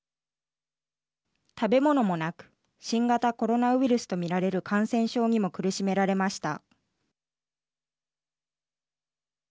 食べ物もなく新型コロナウイルスと見られる感染症にも苦しめられました。